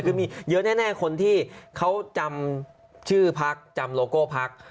คือมีเยอะแน่คนที่เขาจำชื่อพักจำโลโก้พัก